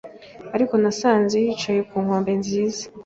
ariko nasanze nicaye ku nkombe nziza